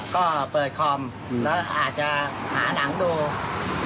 ก็เปิดคอมแล้วอาจจะหาหนังดู